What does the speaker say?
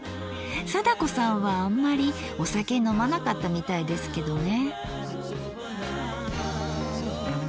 貞子さんはあんまりお酒飲まなかったみたいですけどね。